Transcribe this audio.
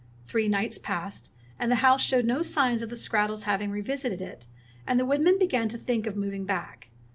Three nights passed, and the house showed no traces of the skrattel's having revisited it, and the woodman began to think of moving back.